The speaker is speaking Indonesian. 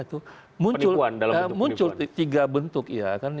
itu muncul tiga bentuk ya kan